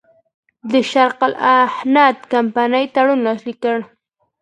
د شرق الهند کمپنۍ تړون لاسلیک کړ.